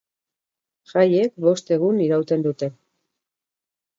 Jaiek bost egun irauten dute.